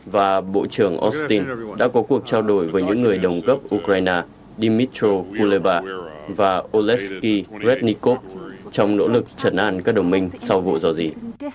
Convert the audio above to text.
và bộ trưởng austin đã có cuộc trao đổi với những người đồng cấp ukraine dmytro kuleba và olesky rednikov trong nỗ lực trần an các đồng minh sau vụ dò dì